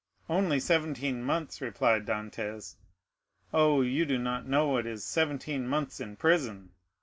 "Only seventeen months," replied Dantès. "Oh, you do not know what is seventeen months in prison!